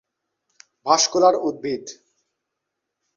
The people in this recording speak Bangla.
বিদ্যালয়ে থাকা অবস্থাতেই মাহমুদ গান গাইতে শুরু করেন।